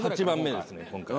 ８番目ですね。